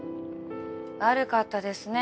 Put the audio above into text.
悪かったですね。